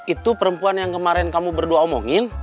itu perempuan yang kemarin kamu berdua omongin